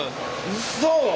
うそ！